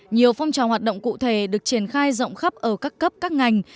nhiều phong trào hoạt động cụ thể được triển khai rộng khắp ở các cấp các ngành